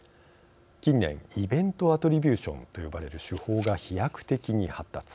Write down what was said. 近年イベント・アトリビューションと呼ばれる手法が飛躍的に発達。